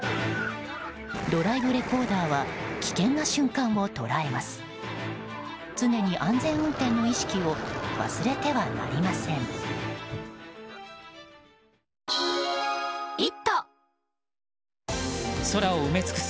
ドライブレコーダーは危険な瞬間を捉えます。